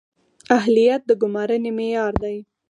اهلیت د ګمارنې معیار دی